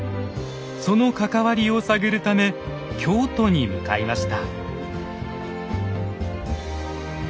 その関わりを探るため京都に向かいました。